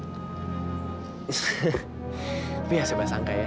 tapi ya seba sangka ya